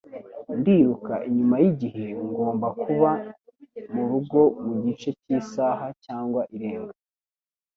Ndiruka inyuma yigihe, ngomba kuba murugo mugice cyisaha cyangwa irenga .